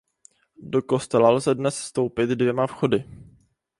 Do kostela lze dnes vstoupit dvěma vchody.